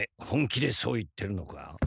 本気でそう言ってるのか？